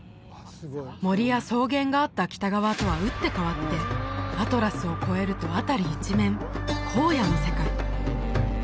森や草原があった北側とは打って変わってアトラスを越えると辺り一面荒野の世界